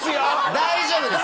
大丈夫です。